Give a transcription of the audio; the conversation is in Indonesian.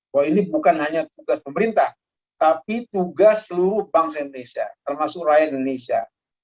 bahwa ini bukan hanya tugas pemerintah tapi tugas seluruh bangsa indonesia termasuk rakyat indonesia